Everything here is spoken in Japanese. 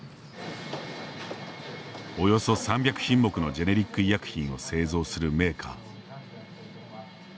およそ３００品目のジェネリック医薬品を製造するメーカー。